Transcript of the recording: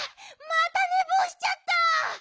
またねぼうしちゃった！